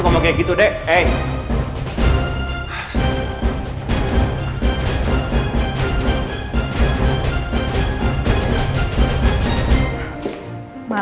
selamat malam mam